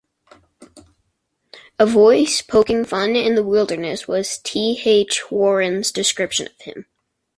"A voice poking fun in the wilderness" was T. H. Warren's description of him.